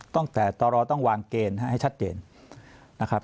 ตั้งแต่ตรต้องวางเกณฑ์ให้ชัดเจนนะครับ